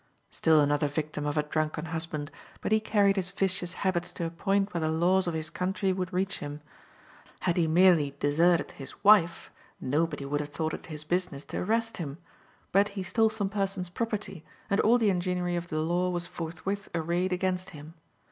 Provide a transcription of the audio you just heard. Still another victim of a drunken husband, but he carried his vicious habits to a point where the laws of his country would reach him. Had he merely deserted his wife, nobody would have thought it his business to arrest him, but he stole some person's property, and all the enginery of the law was forthwith arrayed against him.